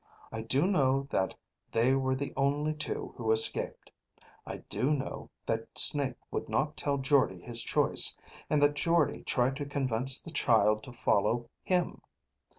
I do know that they were the only two who escaped. I do know that Snake would not tell Jordde his choice, and that Jordde tried to convince the child to follow him.